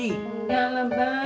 engga lah bang